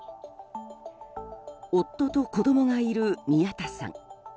夫と子供がいる宮田さん。